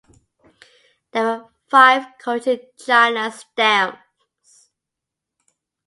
There were five Cochin-China stamps.